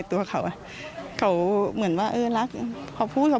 พี่สาวบอกแบบนั้นหลังจากนั้นเลยเตือนน้องตลอดว่าอย่าเข้าใกล้ในพงษ์นะ